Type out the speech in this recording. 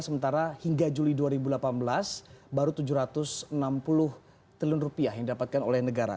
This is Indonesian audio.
sementara hingga juli dua ribu delapan belas baru tujuh ratus enam puluh triliun rupiah yang didapatkan oleh negara